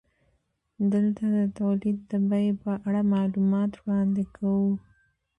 دلته د تولید د بیې په اړه معلومات وړاندې کوو